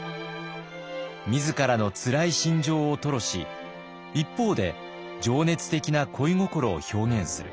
自らのつらい心情を吐露し一方で情熱的な恋心を表現する。